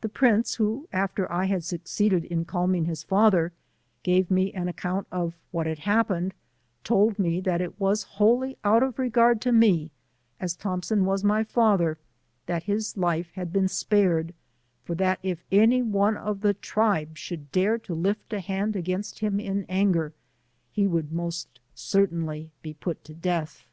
The prince, who, after 1 had gu€ ceeded in calming his father, gave me an account of what had happened, told me that it was wholly out of regard to me, as Thompson was my father, that his life had been spared, for that if any one of the tribe should dare to lift a hand against him in anger, he would most certainly be put to death.